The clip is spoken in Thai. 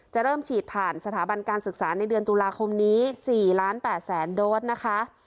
จะเริ่มฉีดผ่านสถาบันการศึกษาในเดือนตุลาคมนี้๔ล้าน๘แสนโดสนะคะ